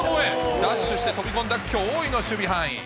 ダッシュして飛び込んだ驚異の守備範囲。